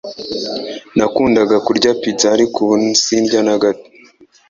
Nakundaga kurya pizza ariko ubu sindya na gato